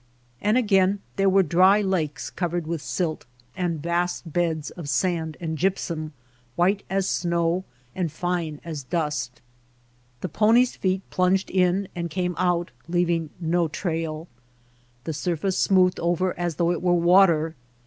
And again, there were dry lakes covered with silt ; and vast beds of sand and gypsum, white as snow and fine as dust. The pony's feet plunged in and came out leaving no trail. The surface smoothed over as though it were water.